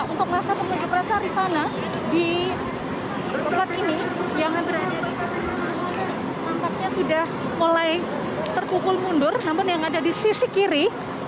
untuk rasa pengunjuk rasa rifana di tempat ini yang sudah mulai terkukul mundur namun yang ada di sisi kiri